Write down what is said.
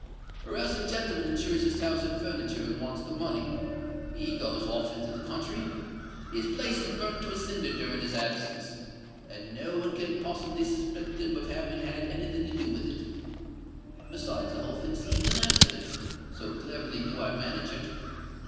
Or else a gentleman insures his house and furniture, and wants the money: he goes off into the country—his place is burnt to a cinder during his absence—and no one can possibly suspect him of having had any thing to do with it. Besides, the whole thing seems an accident—so cleverly do I manage it.